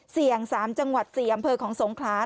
เสี่ยง๓จังหวัดเสี่ยงอำเภอของสงครา